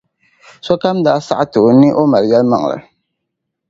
Sokam daa saɣiti o ni o mali yɛlimaŋli.